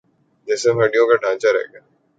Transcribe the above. جسم ہڈیوں کا ڈھانچا رہ گیا تھا